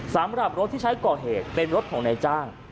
สำหรับรถที่ใช้ก่อเหตุเป็นรถของนายจ้าง